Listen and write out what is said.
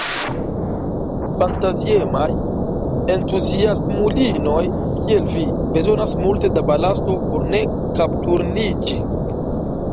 Fantaziemaj entuziasmulinoj, kiel vi, bezonas multe da balasto por ne kapturniĝi.